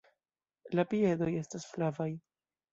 La piedoj estas flavaj.